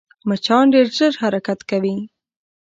مچان ډېر ژر حرکت کوي